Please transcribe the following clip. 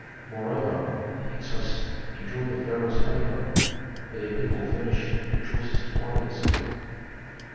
Moreover the Hyksos enjoyed the pharaoh's favor, for their people furnished the choicest warriors.